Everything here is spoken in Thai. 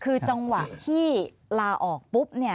คือจังหวะที่ลาออกปุ๊บ